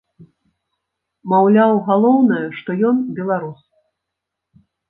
Маўляў, галоўнае, што ён беларус.